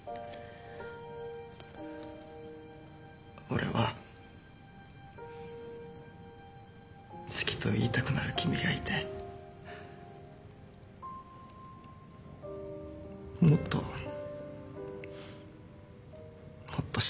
俺は好きと言いたくなる君がいてもっともっと幸せだよ。